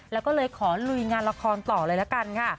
แล้วก็เลยขอลุยงานละครต่อเลยละกันค่ะ